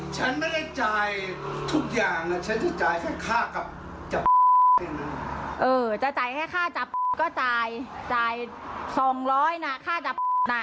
ฉันไม่ได้จ่าทุกอย่างน่ะฉันจะจ่ายแค่ข้าจับ